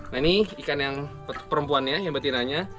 nah ini ikan yang perempuannya yang betinanya